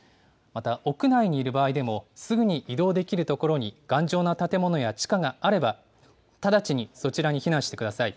また屋内にいる場合でも、すぐに移動できる所に頑丈な建物や地下があれば、直ちにそちらに避難してください。